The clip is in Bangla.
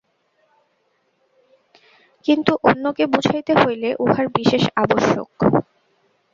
কিন্তু অন্যকে বুঝাইতে হইলে উহার বিশেষ আবশ্যক।